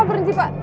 apa berhenti pak